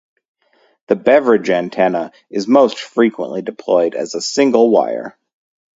The Beverage antenna is most frequently deployed as a single wire.